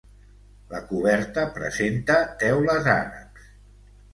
La coberta presenta teules àrabs.